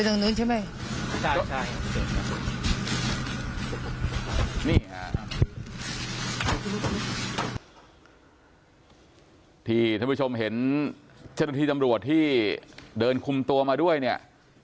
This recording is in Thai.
ท่านผู้ชมเห็นเจ้าหน้าที่ตำรวจที่เดินคุมตัวมาด้วยเนี่ย